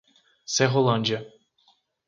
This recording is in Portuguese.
Serrolândia